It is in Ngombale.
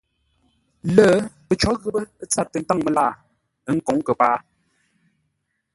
Lə́, pəcó ghəpə́ tsâr tə ntáŋ məlaa, ə́ nkǒŋ kəpaa.